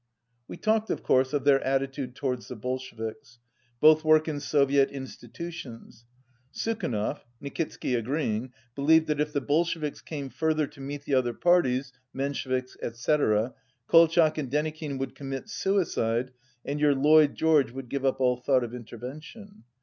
We talked, of course, of their attitude towards the Bolsheviks. Both work in Soviet institutions. Sukhanov (Nikitsky agreeing) believed that if the Bolsheviks came further to meet the other parties, Mensheviks, etc., "Kolchak and Denikin would commit suicide and your Lloyd George would give up all thought of intervention."